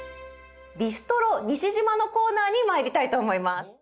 ビストロＮｉｓｈｉｊｉｍａのコーナーにまいりたいと思います。